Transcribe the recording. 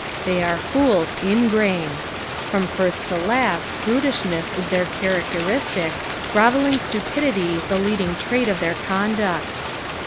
They are fools ingrain. From first to last brutishness is their characteristic, grovelling stupidity the leading trait of their conduct.